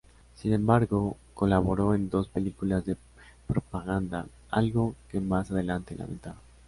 Sin embargo, colaboró en dos películas de propaganda, algo que más adelante lamentaba.